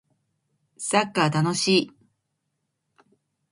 サッカー楽しい